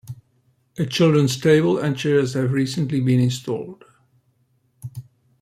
A children's table and chairs have recently been installed.